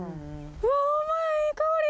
わホンマやいい香り！